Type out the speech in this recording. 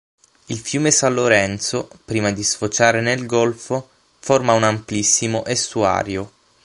Il fiume San Lorenzo prima di sfociare nel golfo forma un amplissimo estuario.